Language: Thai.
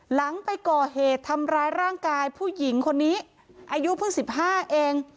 หลังไปก่อเหตุทำร้ายร่างกายผู้หญิงคนนี้อายุเพิ่ง๑๕เอง